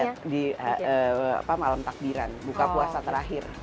lihat di malam takbiran buka puasa terakhir